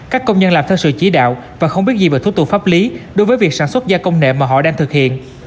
các công nhân làm theo sự chỉ đạo và không biết gì về thuốc tù pháp lý đối với việc sản xuất gia công nghệ mà họ đang thực hiện